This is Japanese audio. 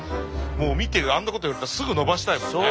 もう見てあんなこと言われたらすぐのばしたいもんね。